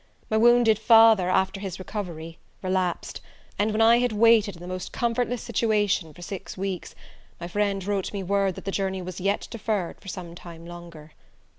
My wounded father, after his recovery, relapsed, and when I had waited in the most comfortless situation for six weeks, my friend wrote me word that the journey was yet deferred for some time longer.